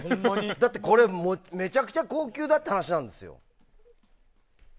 だってこれ、めちゃくちゃ高級だって話なんですよ。